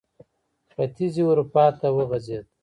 ختیځې اروپا ته وغځېد.